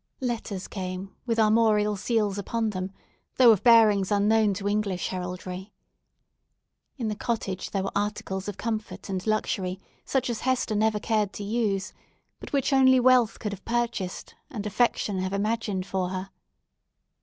Letters came, with armorial seals upon them, though of bearings unknown to English heraldry. In the cottage there were articles of comfort and luxury such as Hester never cared to use, but which only wealth could have purchased and affection have imagined for her.